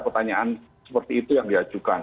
pertanyaan seperti itu yang diajukan